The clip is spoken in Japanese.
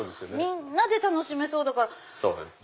みんなで楽しめそうだから。